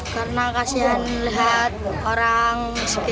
karena kasihan lihat orang